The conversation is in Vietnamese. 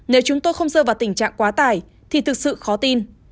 nếu chúng tôi không rơi vào tình trạng quá tải thì thực sự khó tin